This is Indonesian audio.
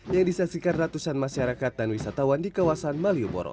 yang disaksikan ratusan masyarakat dan wisatawan di kawasan malioboro